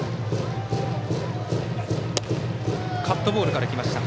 カットボールから来ました。